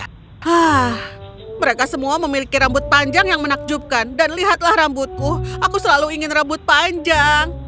hah mereka semua memiliki rambut panjang yang menakjubkan dan lihatlah rambutku aku selalu ingin rambut panjang